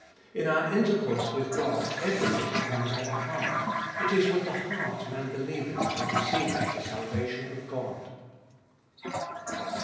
In our intercourse with God, everything depends on the heart. It is with the heart man believeth and receiveth the salvation of God.